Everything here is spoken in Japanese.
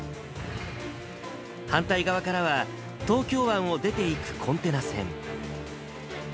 反対側からは、東京湾を出ていくコンテナ船。